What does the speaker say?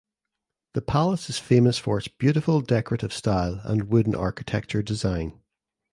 The palace is famous for its beautiful decorative style and wooden architecture design.